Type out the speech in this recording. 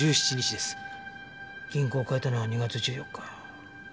銀行を変えたのは２月１４日。